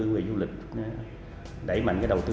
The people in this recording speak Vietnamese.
người du lịch đẩy mạnh đầu tư